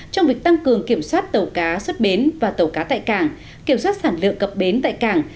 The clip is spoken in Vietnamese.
trong việc tăng cường kiểm soát tàu cá xuất bến và tàu cá tại cảng kiểm soát sản lượng cập bến tại cảng